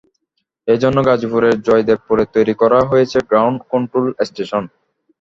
এ জন্য গাজীপুরের জয়দেবপুরে তৈরি করা হয়েছে গ্রাউন্ড কন্ট্রোল স্টেশন।